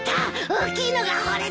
大きいのが掘れた。